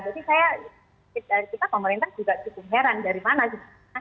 jadi saya kita pemerintah juga cukup heran dari mana sih